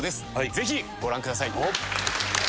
ぜひご覧ください。